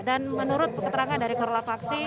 dan menurut keterangan dari korlap aksi